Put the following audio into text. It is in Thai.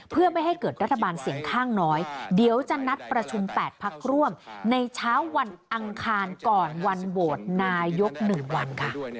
เพื่อไม่ให้เกิดรัฐบาลเสียงข้างน้อยเดี๋ยวจะนัดประชุม๘พักร่วมในเช้าวันอังคารก่อนวันโหวตนายก๑วันค่ะ